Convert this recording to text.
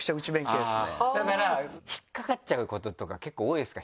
だから引っかかっちゃうこととか結構多いですか？